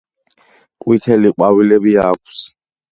ყვითელი ყვავილები აქვს.